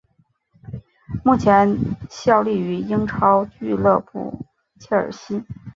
目前效力于英超俱乐部切尔西。